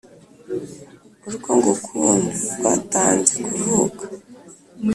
urwo ngukunda rwantanze kuvuka